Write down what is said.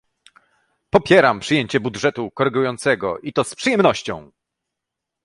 Popieram przyjęcie budżetu korygującego i to z przyjemnością